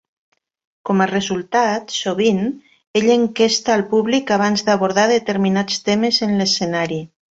Com a resultat, sovint, ell enquesta al públic abans d'abordar determinats temes en l'escenari.